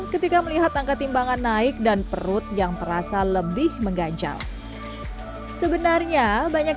ketika melihat angka timbangan naik dan perut yang terasa lebih mengganjal sebenarnya banyak